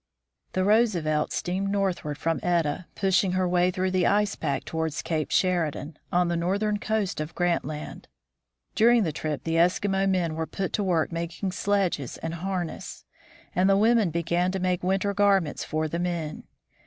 The Roosevelt steamed northward from Etah, pushing her way through the ice pack towards Cape Sheridan, on the northern coast of Grant Land. During the trip the Eskimo men were put to work making sledges and har ness, and the women began to make winter garments for the men.